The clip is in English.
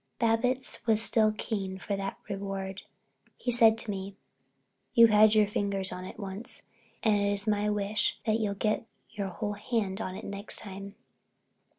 Babbitts was still keen for that reward. He said to me: "You had your fingers on it once, and it's my wish that you'll get your whole hand on it next time."